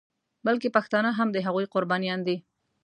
بلکې پښتانه هم د هغوی قربانیان دي.